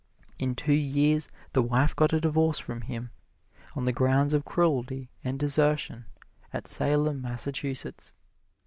In two years the wife got a divorce from him, on the grounds of cruelty and desertion, at Salem, Massachusetts.